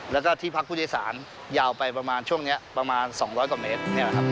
แล้วก็ที่พักผู้โดยสารยาวไปประมาณช่วงนี้ประมาณ๒๐๐กว่าเมตร